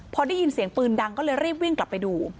พอได้ยินเสียงปืนดังก็เลยรีบวิ่งกลับไปดู